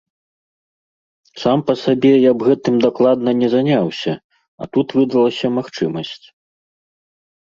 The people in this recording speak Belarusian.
Сам па сабе я б гэтым дакладна не заняўся, а тут выдалася магчымасць.